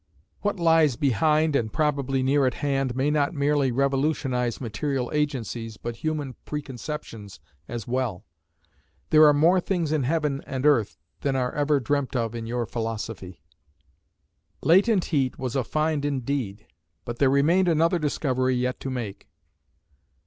What lies behind and probably near at hand may not merely revolutionise material agencies but human preconceptions as well. "There are more things in Heaven and Earth than are ever dreamt of in your Philosophy." Latent Heat was a find indeed, but there remained another discovery yet to make.